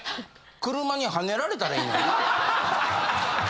車にはねられたらいいのに！